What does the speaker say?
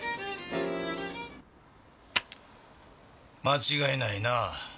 間違いないな。